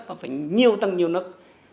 mà phải nhiều tầng nhiều nức